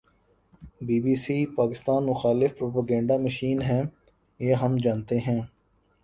Be B C, Pakistan مخالف propaganda machine ہے۔ یہ ہم جانتے ہیں